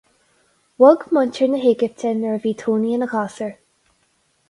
Bhog muintir na hÉigipte nuair a bhí Tony ina ghasúr.